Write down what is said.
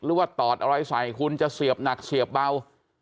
ว่าตอดอะไรใส่คุณจะเสียบหนักเสียบเบา